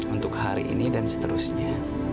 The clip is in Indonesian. untuk hari ini dan seterusnya